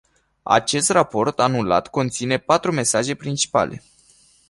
Acest raport anual conține patru mesaje principale.